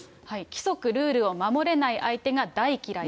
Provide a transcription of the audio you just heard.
規則ルールを守れない相手が大嫌いだと。